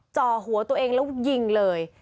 จ่อหัวตัวเองแล้วยิงเลย